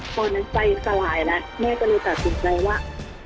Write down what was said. ตอนนั้นใจสลายแล้วแม่ก็เลยตัดสินใจว่า